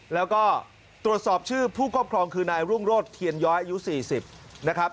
แล้วก็ตรวจสอบชื่อผู้ครอบครองคือนายรุ่งโรธเทียนย้อยอายุ๔๐นะครับ